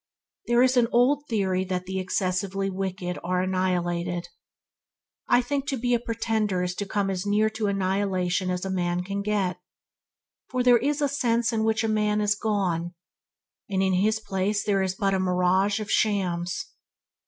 There is an old theory that the excessively wicked are annihilated. I think to be a pretender is to come as near to annihilation as a man can get, for there is a sense in which the man is gone, and in his place there is but a mirage of shams.